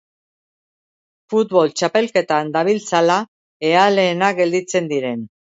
Futbol txapelketan dabiltzala, ea lehenak gelditzen diren.